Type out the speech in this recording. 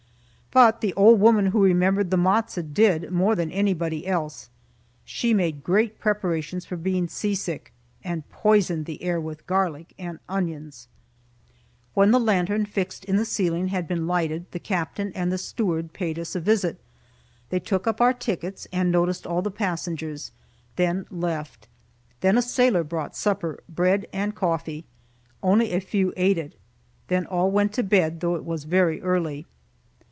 But the old woman who remembered the matzo did, more than anybody else. She made great preparations for being seasick, and poisoned the air with garlic and onions. When the lantern fixed in the ceiling had been lighted, the captain and the steward paid us a visit. They took up our tickets and noticed all the passengers, then left. Then a sailor brought supper bread and coffee. Only a few ate it. Then all went to bed, though it was very early.